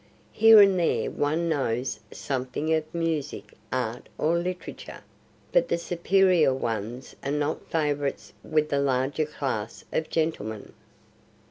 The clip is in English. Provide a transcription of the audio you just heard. Here and there one knows something of music, art, or literature; but the superior ones are not favorites with the larger class of gentlemen."